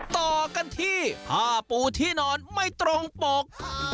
ต่อกันที่ผ้าปูที่นอนไม่ตรงปก